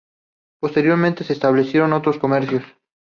Posteriormente se establecieron otros comercios.